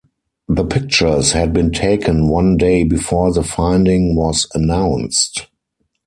The pictures had been taken one day before the finding was announced.